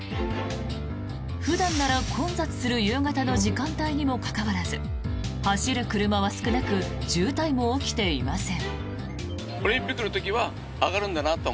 普段なら混雑する夕方の時間帯にもかかわらず走る車は少なく渋滞も起きていません。